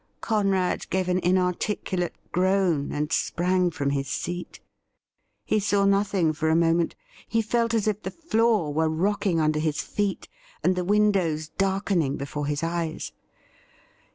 Conrad gave an inarticulate groan, and sprang from his seat. He saw nothing for a moment — ^he felt as if the floor were rocking under his feet, and the windows darken ing before his eyes.